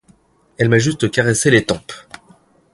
Elle m'a juste caressé les tempes.